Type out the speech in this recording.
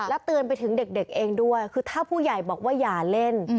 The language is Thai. เตือนไปถึงเด็กเองด้วยคือถ้าผู้ใหญ่บอกว่าอย่าเล่น